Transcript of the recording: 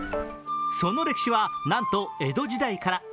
その歴史は、なんと江戸時代から。